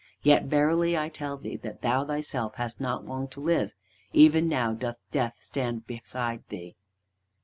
Yet verily I tell thee that thou thyself hast not long to live. Even now doth Death stand beside thee!"